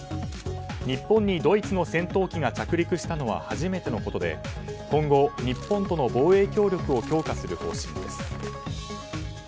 日本にドイツの戦闘機が着陸したのは初めてのことで今後、日本との防衛協力を強化する方針です。